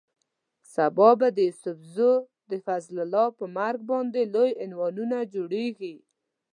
سبا به د یوسف زو د فضل الله پر مرګ باندې لوی عنوانونه جوړېږي.